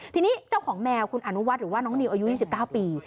ทีนี้เจ้าของแมวคุณอนุวัฒน์หรือว่าน้องนิวอายุ๒๙ปี